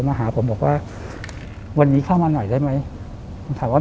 มาหาผมบอกว่าวันนี้เข้ามาหน่อยได้ไหมผมถามว่า